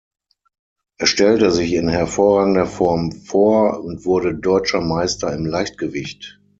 Er stellte sich in hervorragender Form vor und wurde deutscher Meister im Leichtgewicht.